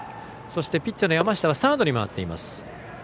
そして、ピッチャーの山下はサードに回っています。